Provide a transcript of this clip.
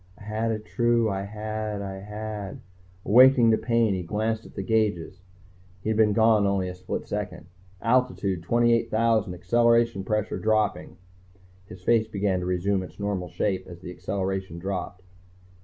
_I had a true I had I had _ Awakening to pain, he glanced at the gauges. He had been gone only a split second. "Altitude 28,000, acceleration pressure dropping." His face began to resume its normal shape as the acceleration dropped.